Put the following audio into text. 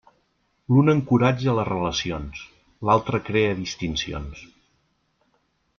L'una encoratja les relacions, l'altre crea distincions.